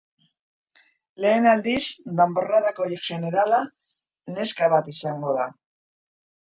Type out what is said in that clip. Lehen aldiz, danborradako jenerala neska bat izango da.